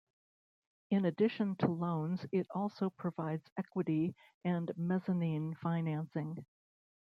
In addition to loans it also provides equity and mezzanine financing.